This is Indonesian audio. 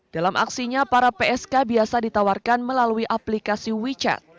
dalam aksinya para psk biasa ditawarkan melalui aplikasi wechat